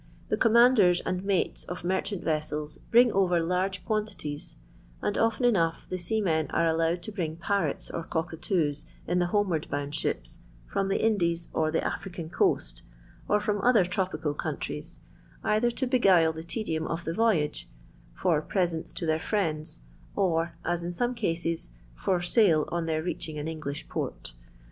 The commanders and mates of merchant vessels bring over large qoaii tities ; and often enough the seamen are allowed to bring parrots or cockatoos in the homeward bound ship from the Indies or the Afirican coast, or from other tropical countries, either to begnils the tedium of the voyage, for presents to their friends, or, as in some cases, for sale on their reaching an English port.